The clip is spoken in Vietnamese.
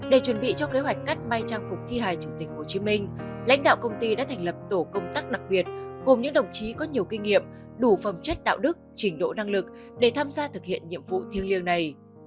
để chuẩn bị cho kế hoạch cắt may trang phục thi hài chủ tịch hồ chí minh lãnh đạo công ty đã thành lập tổ công tác đặc biệt cùng những đồng chí có nhiều kinh nghiệm đủ phẩm chất đạo đức trình độ năng lực để tham gia thực hiện nhiệm vụ thiêng liêng này